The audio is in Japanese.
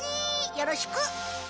よろしく！